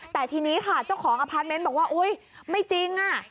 แต่ทีนี้ค่ะเจ้าของอพาร์ทเมนต์บอกว่าอุ๊ยไม่จริงอ่ะ